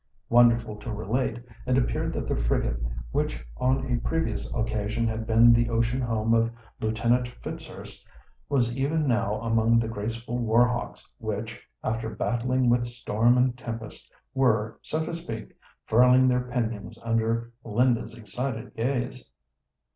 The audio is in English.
Wonderful to relate, it appeared that the frigate which on a previous occasion had been the ocean home of Lieutenant Fitzurse was even now among the graceful war hawks which, after battling with storm and tempest, were, so to speak, furling their pinions under Linda's excited gaze.